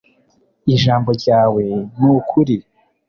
ijambo ryawe ni ukuri